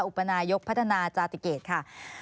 อุปนายกพัฒนาจาติเกตค่ะ